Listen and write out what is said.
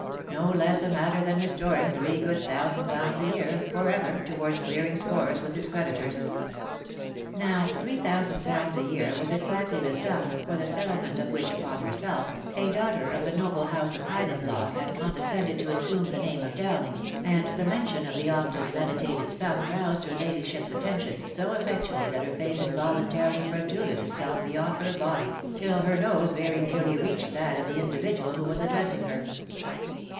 " No less a matter than restoring three good thousand pounds a year, for ever, towards clearing scores with his creditors." Now three thousand pounds a year was exactly the sum, for the settlement of which upon herself, a daughter of the noble house of Highlandloch had condescended to assume the name of Dowling, and the mention of the often meditated sum roused her ladyship's attention so effectually that her face involuntarily protruded itself beyond her body, till her nose very nearly reached that of the individual who was addressing her.